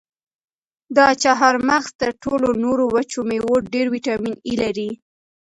دا چهارمغز تر ټولو نورو وچو مېوو ډېر ویټامین ای لري.